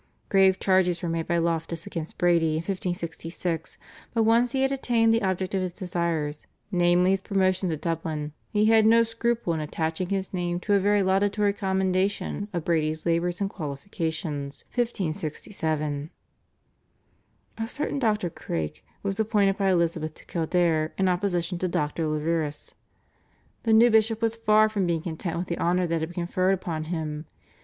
Grave charges were made by Loftus against Brady in 1566, but once he had attained the object of his desires, namely his promotion to Dublin, he had no scruple in attaching his name to a very laudatory commendation of Brady's labours and qualifications (1567). A certain Dr. Craik was appointed by Elizabeth to Kildare in opposition to Dr. Leverous. The new bishop was far from being content with the honour that had been conferred upon him.